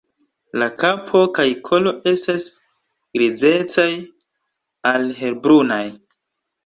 La kapo kaj kolo estas grizecaj al helbrunaj.